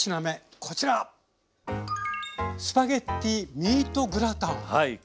これスパゲッティミートグラタン。